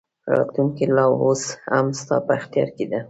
راتلونکې لا اوس هم ستا په اختیار کې ده.